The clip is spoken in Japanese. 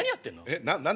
えっな何？